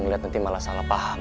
melihat nanti malah salah paham